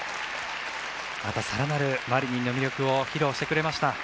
また更なるマリニンの魅力を披露してくれました。